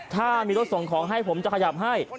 ถ้ามีรถส่งของให้ผมจะขยับให้